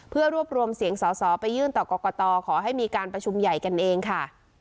เพื่อรวบรวมเสียงสอสอไปยื่นต่อกรกตขอให้มีการประชุมใหญ่กันเองค่ะ